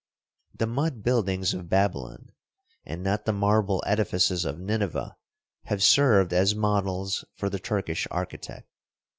The mud buildings of Babylon, and not the marble edifices of Nineveh, have served as models for the Turkish architect.